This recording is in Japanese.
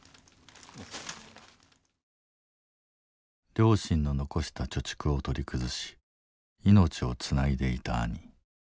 両親の残した貯蓄を取り崩し命をつないでいた兄。